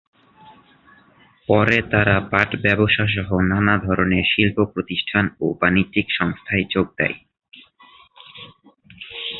পরে তারা পাট ব্যবসাসহ নানা ধরনের শিল্প প্রতিষ্ঠান ও বাণিজ্যিক সংস্থায় যোগ দেয়।